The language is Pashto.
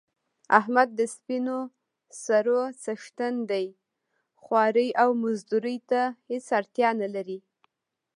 احمد د سپینو سرو څښتن دی خوارۍ او مزدورۍ ته هېڅ اړتیا نه لري.